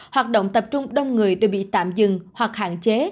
hoạt động tập trung đông người đều bị tạm dừng hoặc hạn chế